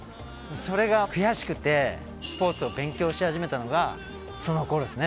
それが悔しくてスポーツを勉強し始めたのがそのころですね。